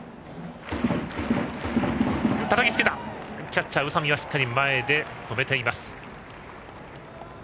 キャッチャー、宇佐見がしっかり前で止めた。